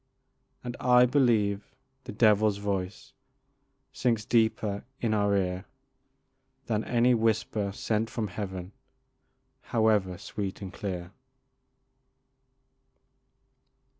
And I believe the devil's voice Sinks deeper in our ear Than any whisper sent from Heaven, However sweet and clear.